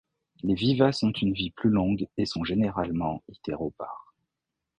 Les vivaces ont une vie plus longue et sont généralement itéropares.